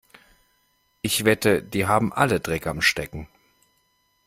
Ich wette, die haben alle Dreck am Stecken.